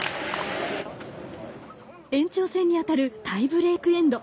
延長戦に当たるタイブレーク・エンド。